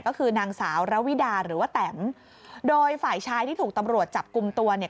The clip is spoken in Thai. ก็คือนางสาวระวิดาหรือว่าแตมโดยฝ่ายชายที่ถูกตำรวจจับกลุ่มตัวเนี่ย